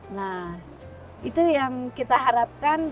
nah itu yang kita harapkan